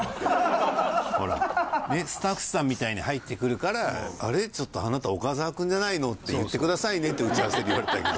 「スタッフさんみたいに入ってくるから『あれ？ちょっとあなた岡澤君じゃないの？』って言ってくださいね」って打ち合わせで言われたけど。